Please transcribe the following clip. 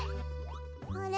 あれ？